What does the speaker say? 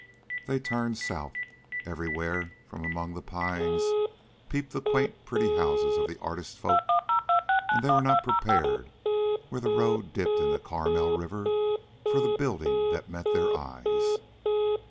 They turned south. Everywhere from among the pines peeped the quaint pretty houses of the artist folk, and they were not prepared, where the road dipped to Carmel River, for the building that met their eyes.